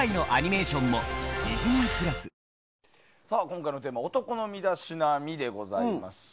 今回のテーマ男の身だしなみでございます。